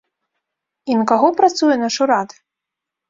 І на каго працуе наш урад?